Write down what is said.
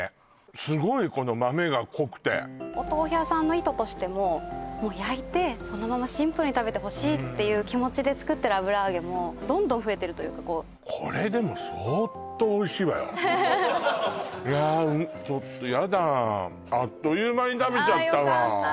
すごいこのお豆腐屋さんの意図としてももう焼いてそのままシンプルに食べてほしいっていう気持ちで作ってる油揚げもどんどん増えてるというかこれでもいやちょっとヤダあっという間に食べちゃったわああ